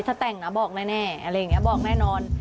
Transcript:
ถ้าแต่งนะบอกแน่อะไรอย่างนี้บอกแน่นอน